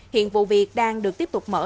hiện vụ việc đang được tiếp tục mở